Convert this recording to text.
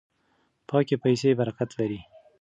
پاکې پیسې برکت لري.